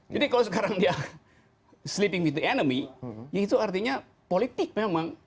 jadi kalau sekarang dia sleeping with the enemy ya itu artinya politik memang